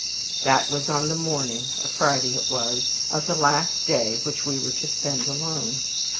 That was on the morning a Friday it was of the last day which we were to spend alone.